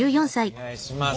お願いします。